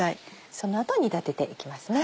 その後煮立てて行きますね。